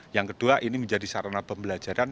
yang kedua ini menjadi sarana pembelajaran